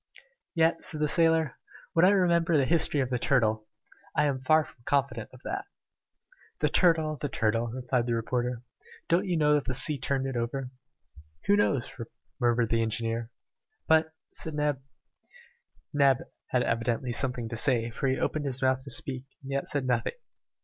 "Yet," said the sailor, "when I remember the history of the turtle, I am far from confident of that." "The turtle! the turtle!" replied the reporter. "Don't you know that the sea turned it over?" "Who knows?" murmured the engineer. "But " said Neb. Neb had evidently something to say, for he opened his mouth to speak and yet said nothing.